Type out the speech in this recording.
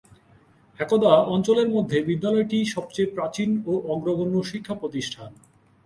একদা অঞ্চলের মধ্যে বিদ্যালয়টি সবচেয়ে প্রাচীন ও অগ্রগণ্য শিক্ষা প্রতিষ্ঠান।